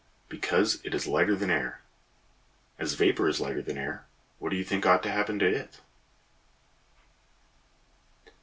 Because it is lighter than air. As vapor is lighter than air; what do you think ought to happen to it?